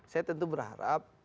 saya tentu berharap